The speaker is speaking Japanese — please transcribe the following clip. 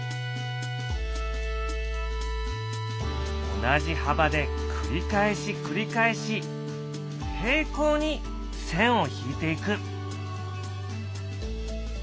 同じ幅で繰り返し繰り返し平行に線を引いていく。